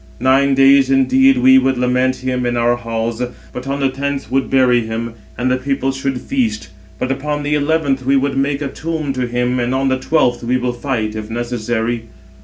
Nine days indeed we would lament him in our halls, but on the tenth would bury him, and the people should feast; but upon the eleventh we would make a tomb to him, and on the twelfth we will fight, if necessary."